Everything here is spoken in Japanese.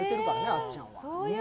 あっちゃんは。